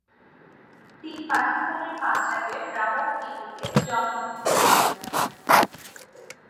তিনি পাকিস্তানের পাঞ্জাবের রাওয়ালপিন্ডিতে জন্মগ্রহণ করেছিলেন।